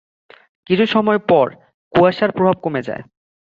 কিছু সময় পর, কুয়াশার প্রভাব কমে যায়।